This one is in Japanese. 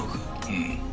うん。